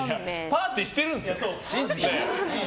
パーティーしてるんですよ？